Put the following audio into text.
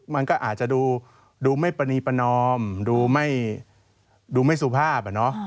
มันก็อาจจะดูไม่ปรณีประนอมดูไม่สุภาพ